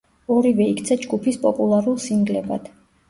ორივე იქცა ჯგუფის პოპულარულ სინგლებად.